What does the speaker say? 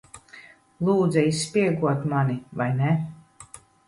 Lūdza izspiegot mani, vai ne?